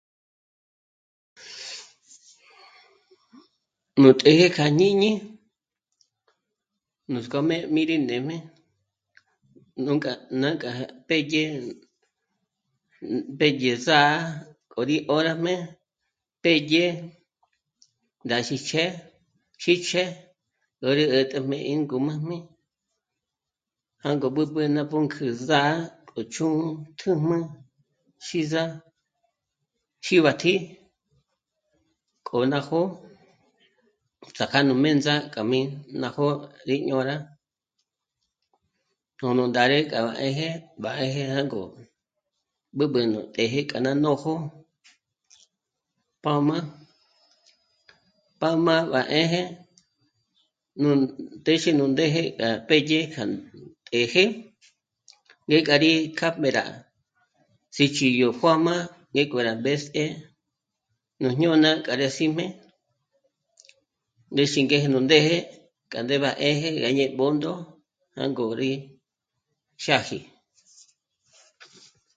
Nú të́jë kja jñíñi nuts'k'ojmé mí rí ndém'e nú k'a nânk'a pédye, pédye sá'a k'o rí 'ö́rajmé pédye rá síjch'e, xíjch'e 'ä̀'ä rí 'ä̀t'äjmé ngé újmujmé jângo b'ǚb'ü ná pǔnk'ü zà'a k'o chjú'u tū́jm'ü xíza, xíbatji, k'o ná jó'o ts'áka nú mē̌ndza'a k'a mí ná jó'o rí ñô'o rá tùn'u ndá 'ë k'a të́jë bárëjë jângo b'ǚb'ü nú të́jë k'a ngǔm'ü ná nójo pā́m'a, pā́m'a bá 'ë́jë nú, téxe nú ndéje k'a pédye k'a të́jë ngék'a rí kjâ'ajmé rá sích'i yó juā́jm'ā ngék'o rá mbés'ese nú jñôna k'a rá sí'm'e ndéxi ngéje nú ndé'e k'a 'ë̀ba 'ë́jë gá dyé Bṓndo jângo rí xâji